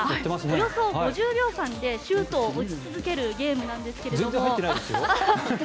およそ５０秒間でシュートを打ち続けるゲームなんですけども。